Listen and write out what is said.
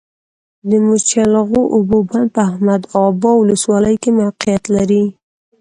د مچلغو اوبو بند په احمد ابا ولسوالۍ کي موقعیت لری